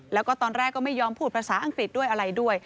แล้วก็ตอนแรกก็ไม่ยอมพูดภาษาอังกฤษด้วยอะไรด้วย